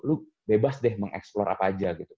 lu bebas deh mengeksplore apa aja